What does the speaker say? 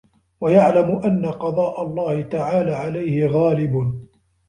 وَيَعْلَمَ أَنَّ قَضَاءَ اللَّهِ تَعَالَى عَلَيْهِ غَالِبٌ